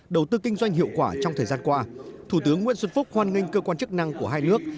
đầu tư kinh doanh hiệu quả trong thời gian qua thủ tướng nguyễn xuân phúc hoan nghênh cơ quan chức năng của hai nước